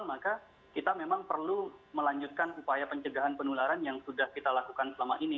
maka kita memang perlu melanjutkan upaya pencegahan penularan yang sudah kita lakukan selama ini